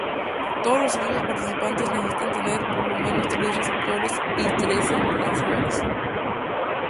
Todos los equipos participantes necesitan tener por lo menos tres receptores y trece lanzadores.